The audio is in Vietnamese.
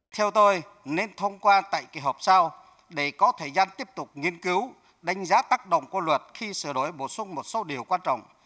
theo tôi nên thông qua tại kỳ họp sau để có thời gian tiếp tục nghiên cứu đánh giá tác động của luật khi sửa đổi bổ sung một số điều quan trọng